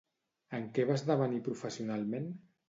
En què va esdevenir professionalment?